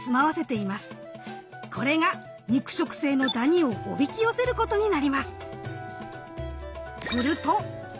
これが肉食性のダニをおびき寄せることになります。